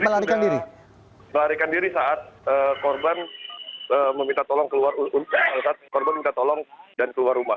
melarikan diri saat korban meminta tolong keluar rumah